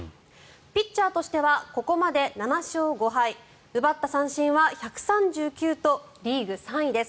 ピッチャーとしてはここまで７勝５敗奪った三振は１３９とリーグ３位です。